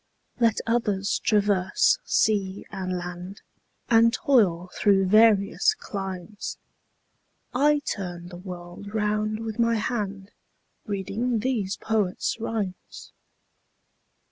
Let others traverse sea and land, And toil through various climes, 30 I turn the world round with my hand Reading these poets' rhymes.